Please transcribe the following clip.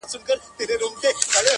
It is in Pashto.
په سپینه ورځ غلو زخمي کړی تښتولی چنار.!